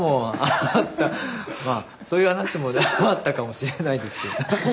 まあそういう話もあったかもしれないですけど。